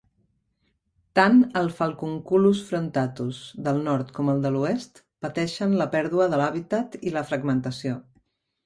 Tant el Falcunculus frontatus del nord com el de l'oest pateixen la pèrdua de l'habitat i la fragmentació.